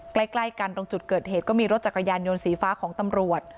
ใกล้กันตรงจุดเกิดเหตุก็มีรถจักรยานยนต์สีฟ้าของตำรวจ